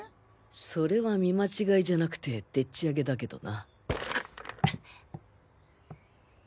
それは見間違いじゃなくてでっちあげだけどな